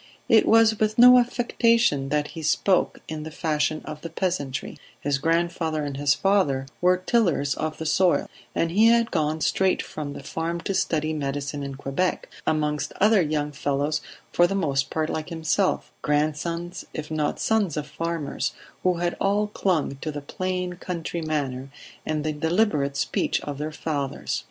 It was with no affectation that he spoke in the fashion of the peasantry; his grandfather and his father were tillers of the soil, and he had gone straight from the farm to study medicine in Quebec, amongst other young fellows for the most part like himself grandsons, if not sons of farmers who had all clung to the plain country manner and the deliberate speech of their fathers.